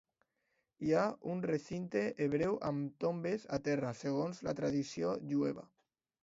Hi ha un recinte hebreu amb tombes a terra, segons la tradició jueva.